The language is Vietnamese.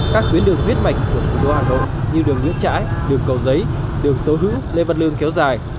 các tuyến đường huyết mạch của thủ đô hà nội như đường nguyễn trãi đường cầu giấy đường tố hữu lê văn lương kéo dài